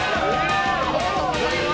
ありがとうございます。